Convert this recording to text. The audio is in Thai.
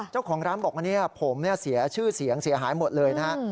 เจ้าของร้านบอกว่าผมเสียชื่อเสียงเสียหายหมดเลยนะฮะ